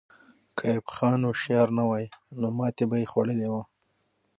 که ایوب خان هوښیار نه وای، نو ماتې به یې خوړلې وه.